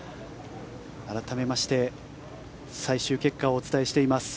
改めまして最終結果をお伝えしています。